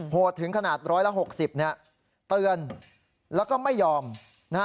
โหดถึงขนาดร้อยละ๖๐เนี่ยเตือนแล้วก็ไม่ยอมนะ